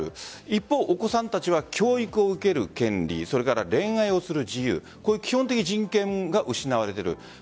一方お子さんたちは教育を受ける権利それから恋愛をする自由基本的人権が失われている。